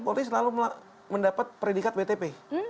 polri selalu mendapat predikat wtp